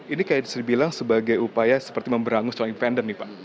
ini kayak disini bilang sebagai upaya seperti memberangus calon infender nih pak